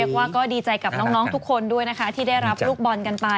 ว่าก็ดีใจกับน้องทุกคนด้วยนะคะที่ได้รับลูกบอลกันไป